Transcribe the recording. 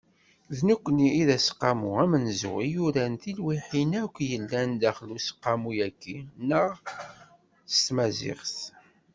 D nekkni i d Aseqqamu amenzu i yuran tilwiḥin akk yellan daxel n Useqqamu-agi-nneɣ s tmaziɣt.